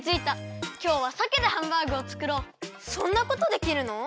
そんなことできるの？